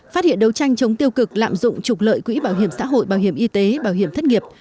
phát hiện đấu tranh chống tiêu cực lạm dụng trục lợi quỹ bảo hiểm xã hội bảo hiểm y tế bảo hiểm thất nghiệp